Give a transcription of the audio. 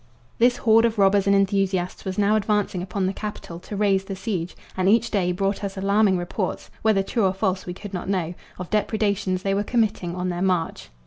This horde of robbers and enthusiasts was now advancing upon the capital to raise the siege, and each day brought us alarming reports whether true or false we could not know of depredations they were committing on their march.